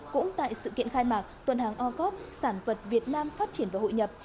cũng tại sự kiện khai mạc tuần hàng o cop sản vật việt nam phát triển và hội nhập